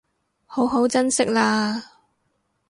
好好珍惜喇